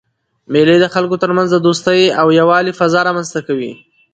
مېلې د خلکو ترمنځ د دوستۍ او یووالي فضا رامنځ ته کوي.